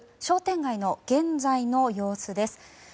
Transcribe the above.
商店街の現在の様子です。